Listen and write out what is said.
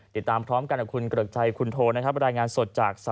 ติดตามกันกับคุณเกริกใจบรรยายงานสดจาก